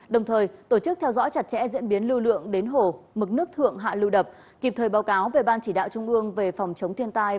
đồng thời tổ chức theo dõi chặt chẽ diễn biến lưu lượng đến hồ mực nước thượng hạ lưu đập kịp thời báo cáo về ban chỉ đạo trung ương về phòng chống thiên tai